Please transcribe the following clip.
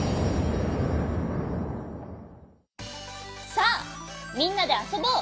さあみんなであそぼう！